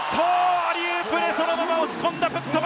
アリウープでそのまま押し込んだ！